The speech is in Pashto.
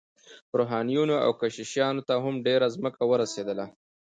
روحانیونو او کشیشانو ته هم ډیره ځمکه ورسیدله.